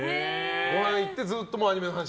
ごはん行ってずっとアニメの話？